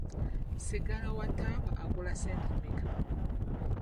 Sigala wa taaba agula ssente mmeka?